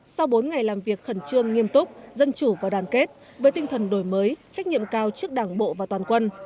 sau bốn ngày làm việc khẩn trương nghiêm túc dân chủ và đoàn kết với tinh thần đổi mới trách nhiệm cao trước đảng bộ và toàn quân